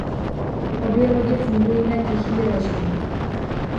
Obě lodě fungují na tichý režim.